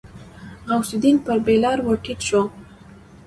غوث الدين پر بېلر ور ټيټ شو.